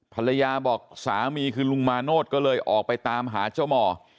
ภรรยาบอกสามีคือลุงมาโนธก็เลยออกไปตามหาเจ้าหมอ